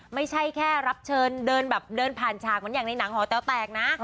ไม่ใช่แค่รับเชิญเดินแบบเดินผ่านฉากเหมือนอย่างในหนังหอแต้วแตกนะ